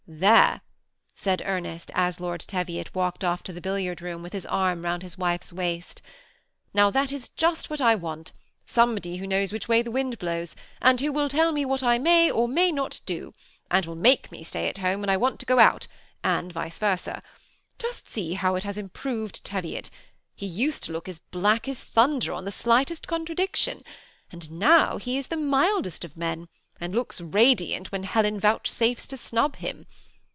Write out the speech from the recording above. *.* There !" said Ernest, as Lord Teviot walked off to the billiard room, with his arm round his wife's waist. " Now, that is just what I want : somebody who knows which way the wind blows, and who will tell me what I may, or may not do ; and will make me stay at home 15* 346 THE SEMI ATTACHED COUPLE. when I want to go out, and vice versa. Just see how it has improved Teviot: he used to look as black as thunder on the slightest contradiction, and now he is the mildest of men, and looks radiant when Helen vouch safes to snub him.